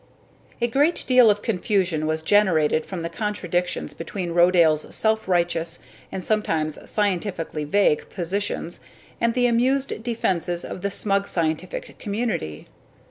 A great deal of confusion was generated from the contradictions between Rodale's self righteous and sometimes scientifically vague positions and the amused defenses of the smug scientific community.